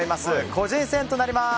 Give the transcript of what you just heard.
個人戦となります。